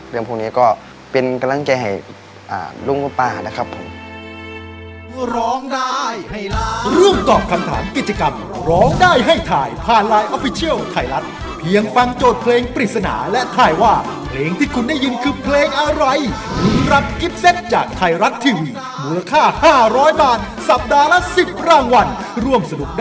เรื่องพวกนี้ก็เป็นกำลังใจให้ลุงพ่อป๊านะครับผม